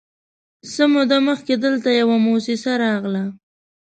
_څه موده مخکې دلته يوه موسسه راغله،